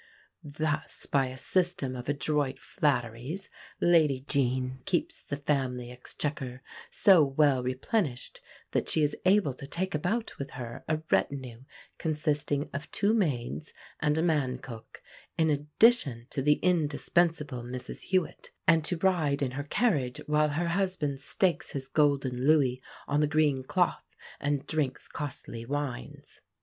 Thus, by a system of adroit flatteries, Lady Jean keeps the family exchequer so well replenished that she is able to take about with her a retinue consisting of two maids and a man cook, in addition to the indispensable Mrs Hewit; and to ride in her carriage, while her husband stakes his golden louis on the green cloth and drinks costly wines.